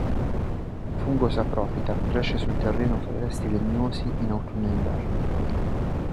Fungo saprofita, cresce sul terreno fra i resti legnosi in autunno-inverno.